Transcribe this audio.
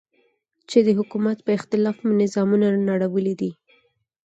چې د حکومت په اختلاف مو نظامونه نړولي دي.